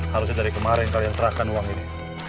harusnya dari kemarin kalian serahkan uang ini